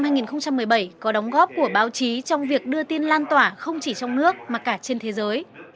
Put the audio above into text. là một lĩnh vực của báo chí trong việc đưa tin lan tỏa không chỉ trong nước mà cả trên thế giới